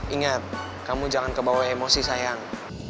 ingat kamu jangan kebawa emosi sayang